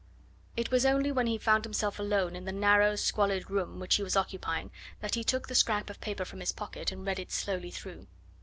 It was only when he found himself alone in the narrow, squalid room which he was occupying that he took the scrap of paper from his pocket and read it slowly through.